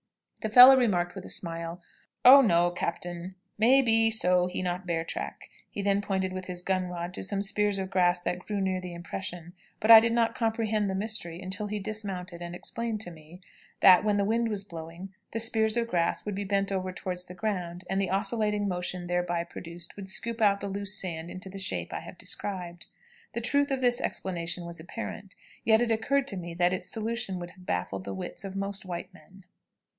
The fellow remarked with a smile, "Oh no, captain, may be so he not bear track." He then pointed with his gun rod to some spears of grass that grew near the impression, but I did not comprehend the mystery until he dismounted and explained to me that, when the wind was blowing, the spears of grass would be bent over toward the ground, and the oscillating motion thereby produced would scoop out the loose sand into the shape I have described. The truth of this explanation was apparent, yet it occurred to me that its solution would have baffled the wits of most white men.